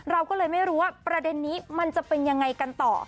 เราก็เลยไม่รู้ว่าประเด็นนี้มันจะเป็นยังไงกันต่อ